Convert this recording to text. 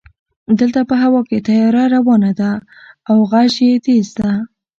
دلته په هوا کې طیاره روانه ده او غژ یې تېز ده.